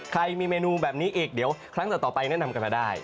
ใครมีเมนูแบบนี้อีกเดี๋ยวครั้งต่อไปแนะนำกันมาได้